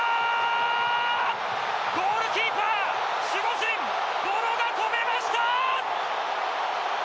ゴールキーパー守護神ボノが止めました！